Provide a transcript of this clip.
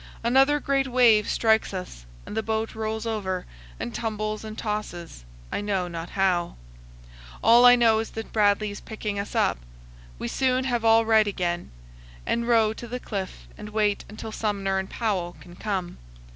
Another great wave strikes us, and the boat rolls over, and tumbles and tosses, I know not how. All I know is that Bradley is picking us up. We soon have all right again, and row to the cliff and wait until Sumner and Powell can come.